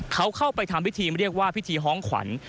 เขาเข้าไปทำพิธีเรียกว่าพิธีฮ้องขวัญ